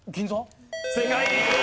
正解！